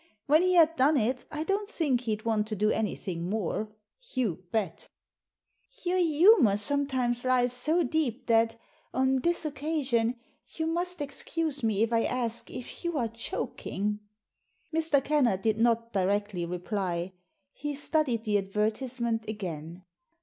When he had done it I don't think he'd want to do anything more. You bet" "Your humour sometimes lies so deep that, on this occasion, you must excuse me if I ask if you are joking." Mr. Kennard did not directly reply. He studied the advertisement again.